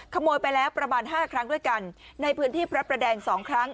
ขโมยไปแล้วประมาณ๕ครั้งด้วยกันในพื้นที่พระประแดง๒ครั้ง